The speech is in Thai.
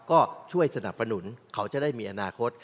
ก็ช่วยสนับสนุนเขาจะได้มีอนาคต